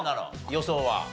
予想は。